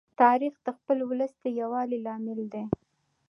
تاریخ د خپل ولس د یووالي لامل دی.